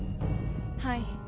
はい。